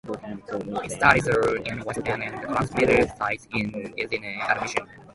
Its studios are in West Bend and the transmitter site is in Addison.